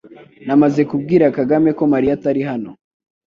Namaze kubwira Kagame ko Mariya atari hano